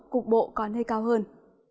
cục bộ có nơi cao hơn